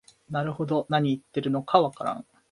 なるほど、なに言ってるのかわからん